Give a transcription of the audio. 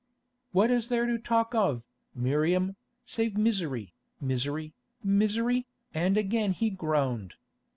"What is there to talk of, Miriam, save misery, misery, misery?" and again he groaned.